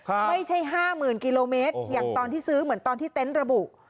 ไม่ใช่ห้าหมื่นกิโลเมตรอย่างตอนที่ซื้อเหมือนตอนที่เต็นต์ระบุ